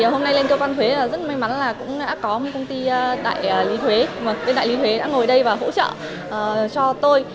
hôm nay lên cơ quan thuế rất may mắn là cũng đã có một công ty tại lý thuế bên đại lý thuế đã ngồi đây và hỗ trợ cho tôi